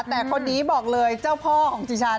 แต่คนนี้บอกเลยเจ้าพ่อของดิฉัน